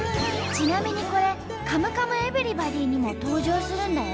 ちなみにこれ「カムカムエヴリバディ」にも登場するんだよ。